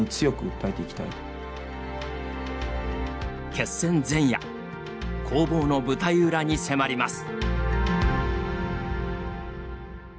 決戦前夜攻防の舞台裏に迫ります。